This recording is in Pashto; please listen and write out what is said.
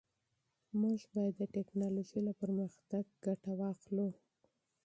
موږ باید د ټیکنالوژۍ له پرمختګ ګټه واخلو.